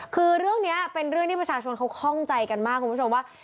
คือเรื่องนี้เป็นเรื่องที่ประชาชนเขาคล่องใจกันมากคุณผู้ชมว่า